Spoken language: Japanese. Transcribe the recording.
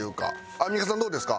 アンミカさんどうですか？